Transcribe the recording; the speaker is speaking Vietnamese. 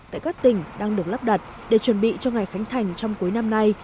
tại các tỉnh đang được lắp đặt để chuẩn bị cho ngày khánh thành trong cuối năm nay